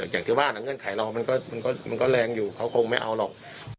อย่างที่ว่าเงื่อนไขเรามันก็แรงอยู่เขาคงไม่เอาหรอก